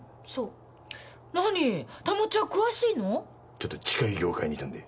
ちょっと近い業界にいたんで。